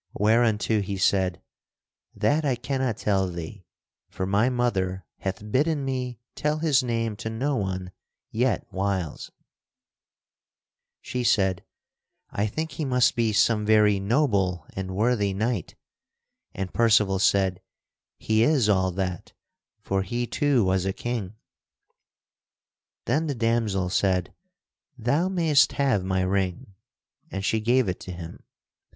Whereunto he said: "That I cannot tell thee for my mother hath bidden me tell his name to no one yet whiles." She said, "I think he must be some very noble and worthy knight," and Percival said, "He is all that, for he too was a king." [Sidenote: The damsel giveth Percival her ring] Then the damsel said, "Thou mayst have my ring," and she gave it to him.